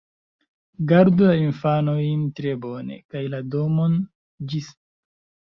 Gardu la infanojn tre bone, kaj la domon! Ĝis!